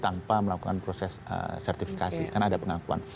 tanpa melakukan proses sertifikasi karena ada pengakuan